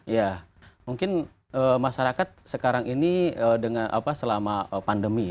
ya mungkin masyarakat sekarang ini dengan selama pandemi